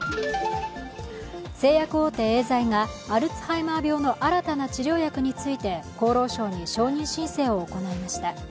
製薬大手エーザイがアルツハイマー病の新たな治療薬について厚労省に承認申請を行いました。